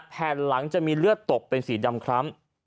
แผ่นหลังจะมีเลือดตกเป็นสีดำคล้ำ